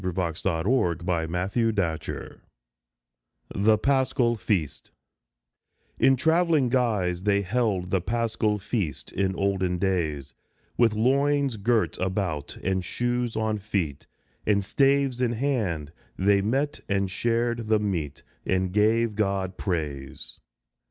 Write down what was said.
Let him come ! ISO THE PASCHAL FEAST THE PASCHAL FEAST IN travelling guise they held the Paschal Feast In olden days. With loins girt about, and shoes on feet, And staves in hand, they met and shared the meat, And gave God praise.